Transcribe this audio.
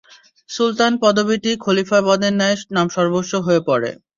সুলতান পদবীটিও খলীফা পদের ন্যায় নামসর্বস্ব হয়ে পড়ে।